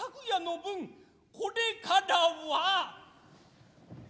これからは。